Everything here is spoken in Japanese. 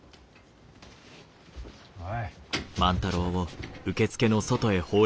おい。